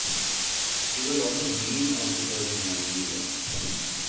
He was also Dean of the Church of Nigeria.